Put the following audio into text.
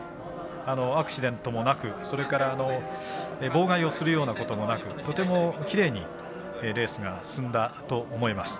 アクシデントもなくそれから妨害をするようなこともなくとてもきれいにレースが進んだと思います。